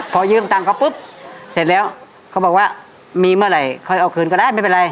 พอยืมตังค์เขาปุ๊บเสร็จแล้วเขาบอกว่ามีเมื่อไหร่ค่อยเอาคืนก็ได้ไม่เป็นไร